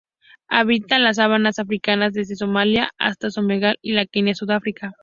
Habita las sabanas africanas desde Somalia hasta Senegal y de Kenia a Sudáfrica.